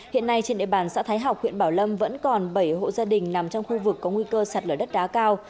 hiện nay trên địa bàn xã thái học huyện bảo lâm vẫn còn bảy hộ gia đình nằm trong khu vực có nguy cơ sạt lở đất đá cao